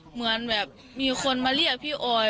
เหมือนแบบมีคนมาเรียกพี่ออย